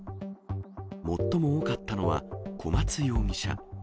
最も多かったのは小松容疑者。